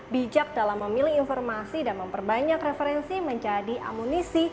bijak dalam memilih informasi dan memperbanyak referensi menjadi amunisi